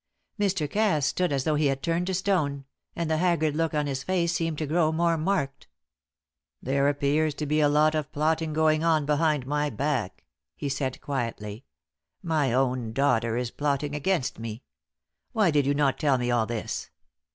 Mr. Cass stood as though turned to stone, and the haggard look on his face seemed to grow more marked. "There appears to be a lot of plotting going on behind my back," he said, quietly. "My own daughter is plotting against me. Why did you not tell me all this?